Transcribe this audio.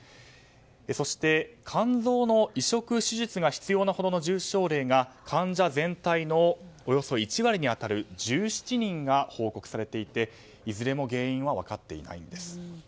そして、肝臓の移植手術が必要なほどの重症例が患者全体のおよそ１割に当たる１７人が報告されていていずれも原因は分かっていないんです。